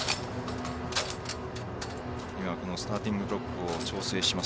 スターティングブロックを調整します。